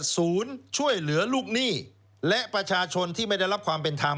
ศูนย์ช่วยเหลือลูกหนี้และประชาชนที่ไม่ได้รับความเป็นธรรม